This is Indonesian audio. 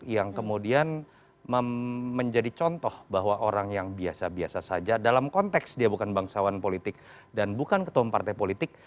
yang kemudian menjadi contoh bahwa orang yang biasa biasa saja dalam konteks dia bukan bangsawan politik dan bukan ketua partai politik